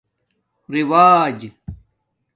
رِوج